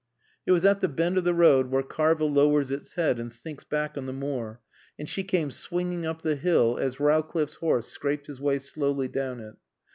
It was at the bend of the road where Karva lowers its head and sinks back on the moor; and she came swinging up the hill as Rowcliffe's horse scraped his way slowly down it.